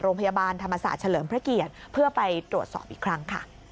โรงพยาบาลธรรมศาสตร์เฉลิมพระเกียรติเพื่อไปตรวจสอบอีกครั้งค่ะ